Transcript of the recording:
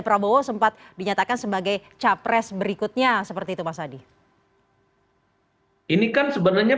prabowo sempat dinyatakan sebagai capres berikutnya seperti itu mas adi ini kan sebenarnya